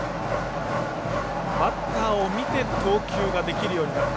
バッターを見て投球ができるようになった。